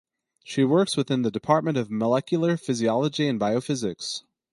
She works within the Department of Molecular Physiology and Biophysics.